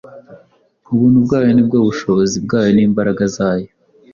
Ubuntu bwayo ni bwo bushobozi bwayo n’imbaraga zayo